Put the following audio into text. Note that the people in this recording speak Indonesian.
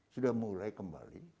sudah mulai kembali